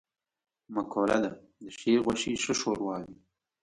مقوله ده: د ښې غوښې ښه شوروا وي.